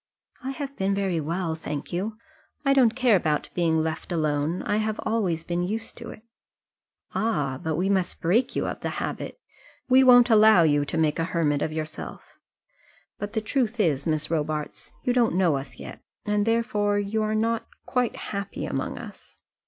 "I have been very well, thank you. I don't care about being left alone. I have always been used to it." "Ah! but we must break you of the habit. We won't allow you to make a hermit of yourself. But the truth is, Miss Robarts, you don't know us yet, and therefore you are not quite happy among us."